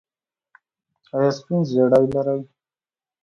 ایا سپین زیړی لرئ؟